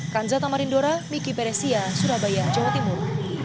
kanza tamarindora miki peresia surabaya jawa timur